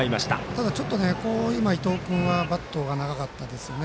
ただ、今、伊藤君はバットが長かったですよね。